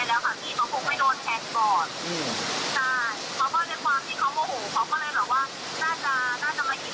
ใช่ค่ะถ่ายรูปส่งให้พี่ดูไหม